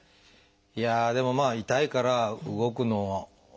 いやあでもまあ痛いから動くのを。